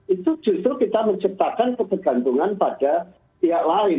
itu justru kita menciptakan ketergantungan pada pihak lain